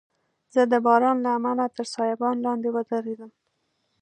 زه د باران له امله تر سایبان لاندي ودریدم.